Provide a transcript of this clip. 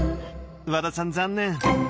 和田さん残念！